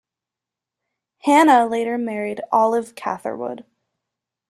Hanna later married Olive Catherwood.